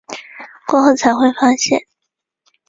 过后才会发现